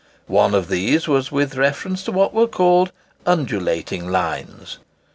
One of these was with reference to what were called "undulating lines."